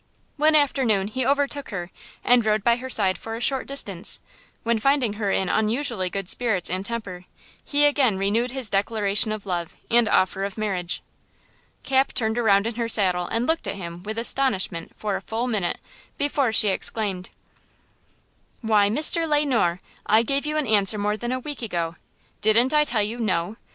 One afternoon he overtook her and rode by her side for a short distance when, finding her in unusually good spirits and temper, he again renewed his declaration of love and offer of marriage. Cap turned around in her saddle and looked at him with astonishment for a full minute before she exclaimed: "Why, Mr. Le Noir, I gave you an answer more than a week ago. Didn't I tell you 'No'?